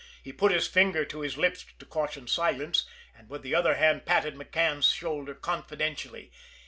He put his finger to his lips to caution silence, and with the other hand patted McCann's shoulder confidentially.